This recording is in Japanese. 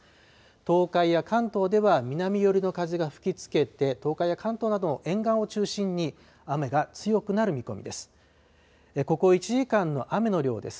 東海や関東では南寄りの風が吹きつけて、東海や関東の沿岸を中心に雨が強くなる見込みです。